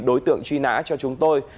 đối tượng truy nã cho chúng tôi